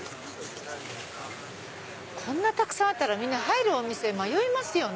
こんなたくさんあったらみんな入るお店迷いますよね。